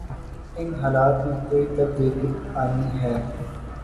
ان حالات میں کوئی تبدیلی آنی ہے۔